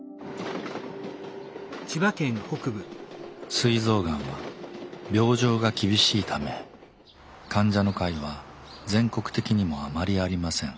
すい臓がんは病状が厳しいため患者の会は全国的にもあまりありません。